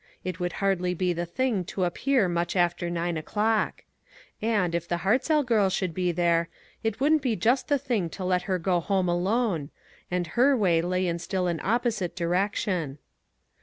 It would hardly be the thing to ap pear much after nine o'clock. And, if the Hartzell girl should be there, it wouldn't be just the thing to let her go home alone — and her way lay in still an opposite direc tion.